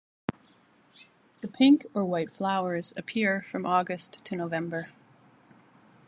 The pink or white flowers appear from August to November.